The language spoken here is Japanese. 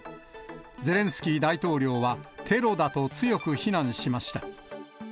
ゼレンスキー大統領はテロだと強く非難しました。